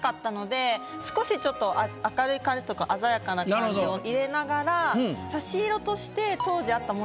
少しちょっと明るい感じというか鮮やかな感じを入れながら差し色として。